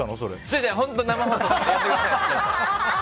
いやいや、本当生放送なのでやめてください。